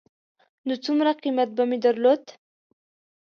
نو څومره قېمت به مې درلود.